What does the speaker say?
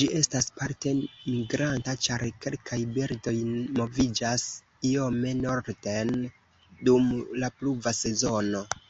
Ĝi estas parte migranta, ĉar kelkaj birdoj moviĝas iome norden dum la pluva sezono.